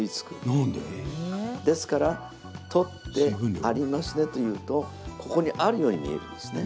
ですから取ってありますねと言うとここにあるように見えるんですね。